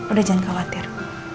udah jangan khawatir